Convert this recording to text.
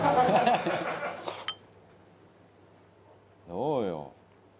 「どうよ？」